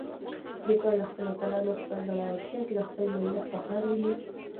لیکوال د خپلو اتلانو په زړورتیا کې د خپل ملت وقار وینه.